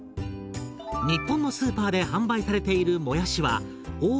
日本のスーパーで販売されているもやしは大きく４種類。